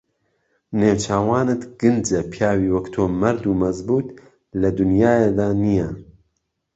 نێوچاوانت گنجه پیاوی وەک تۆ مەرد و مەزبووت له دونیایه دا نییه